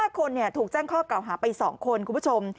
๕คนถูกแจ้งข้อเก่าหาไป๒คนคุณผู้ชม